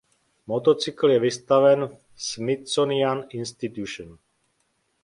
Motocykl je vystaven v Smithsonian Institution.